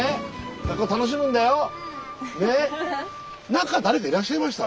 中誰かいらっしゃいました？